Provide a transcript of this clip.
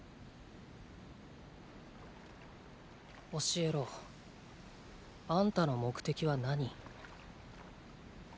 教えろあんたの目的は何。